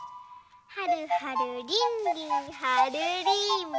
はるはるりんりんはるりんぱ！